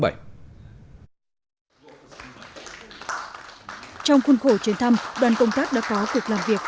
trong khuôn khổ chuyến thăm đoàn công tác đã có cuộc làm việc